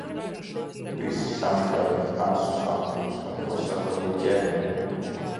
Visi sameklējiet asus akmeņus, ar ko sadalīt ķermeni!